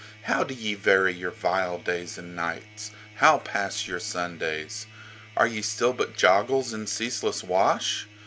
How do ye vary your vile days and nights? How pass your Sundays? Are ye still but joggles In ceaseless wash?